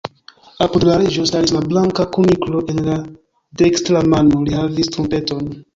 Apud la Reĝo staris la Blanka Kuniklo; en la dekstra mano li havis trumpeton.